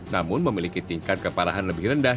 namun memiliki tingkat keparahan lebih rendah